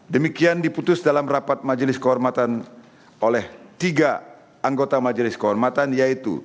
demikian diputus dalam rapat majelis kehormatan oleh tiga anggota majelis kehormatan yaitu